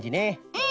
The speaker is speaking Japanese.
うん！